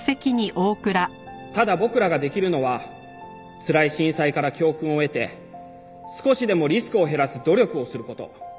ただ僕らができるのはつらい震災から教訓を得て少しでもリスクを減らす努力をする事。